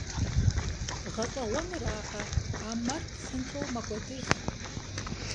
ГъэщӀэгъуэныракъэ, а мэр псынщӀэу мэкӀуэдыж.